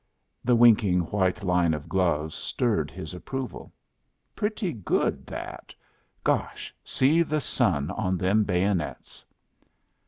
The winking white line of gloves stirred his approval. "Pretty good that. Gosh, see the sun on them bayonets!"